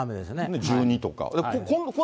１２とか。